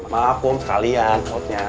maaf kum sekalian